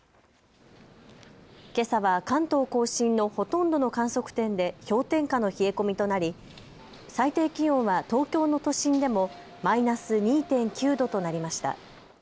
けさは関東甲信のほとんどの観測点で氷点下の冷え込みとなり最低気温は東京の都心でもマイナス２．９度となりました。